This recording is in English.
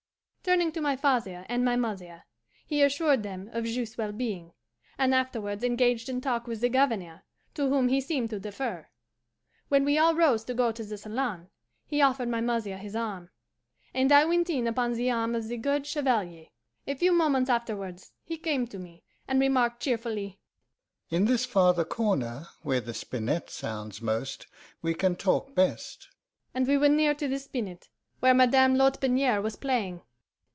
Turning to my father and my mother, he assured them of Juste's well being, and afterwards engaged in talk with the Governor, to whom he seemed to defer. When we all rose to go to the salon, he offered my mother his arm, and I went in upon the arm of the good Chevalier. A few moments afterwards he came to me, and remarked cheerfully, 'In this farther corner where the spinet sounds most we can talk best'; and we went near to the spinet, where Madame Lotbiniere was playing.